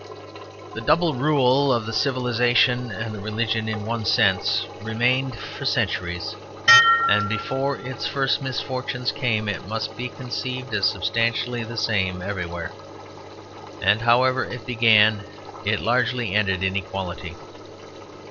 The double rule of the civilization and the religion in one sense remained for centuries; and before its first misfortunes came it must be conceived as substantially the same everywhere. And however it began it largely ended in equality.